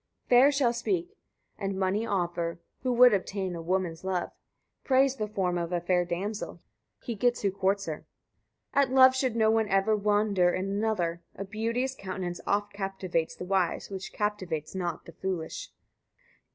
92. Fair shall speak, and money offer, who would obtain a woman's love. Praise the form of a fair damsel; he gets who courts her. 93. At love should no one ever wonder in another: a beauteous countenance oft captivates the wise, which captivates not the foolish.